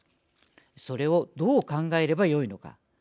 それをどう考えればよいのか。